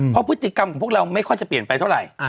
เพราะพฤติกรรมของพวกเราไม่ค่อยจะเปลี่ยนไปเท่าไหร่